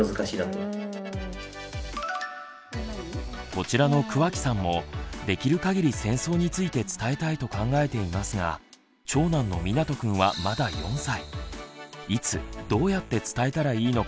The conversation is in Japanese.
こちらの桑木さんもできるかぎり戦争について伝えたいと考えていますが長男のみなとくんはまだ４歳。